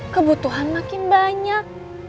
kebutuhan makin banyak